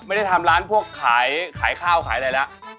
ไม่ได้ทำร้านพวกขายข้าวขายอะไรแล้ว